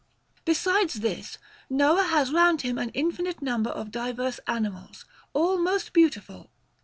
Besides this, Noah has round him an infinite number of diverse animals, all most beautiful.